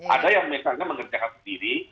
ada yang misalnya mengerjakan sendiri